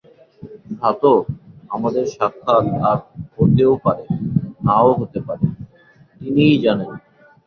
ভ্রাতঃ, আমাদের সাক্ষাৎ আর হতেও পারে, নাও পারে, তিনিই জানেন।